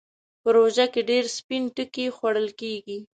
په روژه کې ډېر سپين ټکی خوړل کېږي.